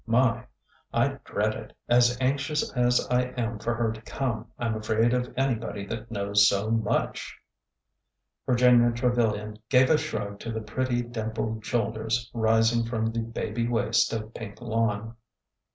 My ! I dread it, as anxious as I am for her to come. I 'm afraid of anybody that knows so much !" Virginia Trevilian gave a shrug to the pretty dimpled shoulders rising from the baby waist of pink lawn.